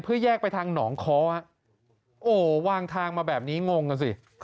เพื่อแยกไปทางน้องค้ออ่ะโอ้ววางทางมาแบบนี้งงกันสิ